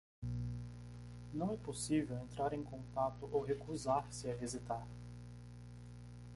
Não é possível entrar em contato ou recusar-se a visitar